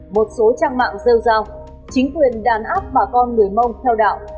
một số trang mạng rêu giao chính quyền đàn áp bà con người mông theo đạo